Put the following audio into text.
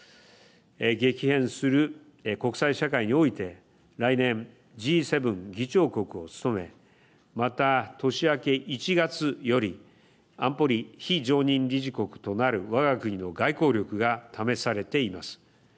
激変する国際社会において来年、Ｇ７議長国を務めまた、年明け１月より安保理非常任理事国となるわが国の外交力が試されています。